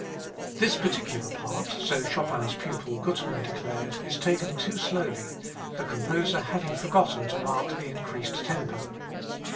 This particular part, so Chopin's pupil Gutmann declared, is taken too slowly, the composer having forgotten to mark the increased tempo.